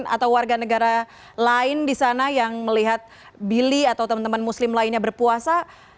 atau warga negara lain di sana yang melihat billy atau teman teman muslim lainnya berpuasa